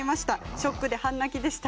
ショックで半泣きでした。